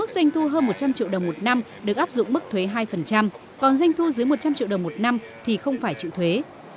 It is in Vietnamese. doanh thu hơn một trăm linh triệu đồng một năm được áp dụng mức thuế hai còn doanh thu dưới một trăm linh triệu đồng một năm thì không phải chịu thuế